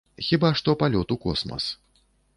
Хіба што палёт у космас.